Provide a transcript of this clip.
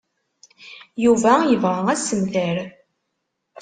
Yuba yebɣa assemter.